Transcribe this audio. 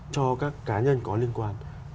cho các cá nhân có liên quan